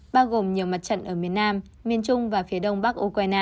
bao gồm nhiều mặt trận ở miền nam miền trung và phía đông bắc ukraine